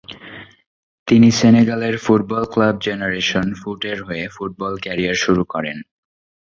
তিনি সেনেগালের football club generation ফুটের হয়ে ফুটবল ক্যারিয়ার শুরু করেন।